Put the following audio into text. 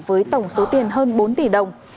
với tổng số tiền hơn bốn tỷ đồng